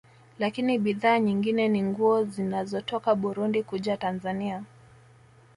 Lakini bidhaa nyingine ni nguo zinazotoka Burundi kuja Tanzania